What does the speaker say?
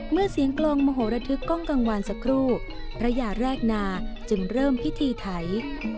เมื่อเสียงกลงมโหระทึกกล้องกลางวันสักครู่พระยาแรกนาจึงเริ่มพิธีไถ